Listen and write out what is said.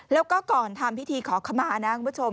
แล้วก็ก่อนทำพิธีขอขมานะคุณผู้ชม